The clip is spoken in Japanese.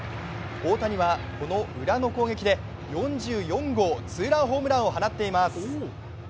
大谷はこのウラの攻撃で４４号ツーランホームランを放っています。